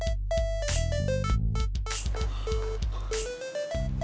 tadi mau berbelit lagi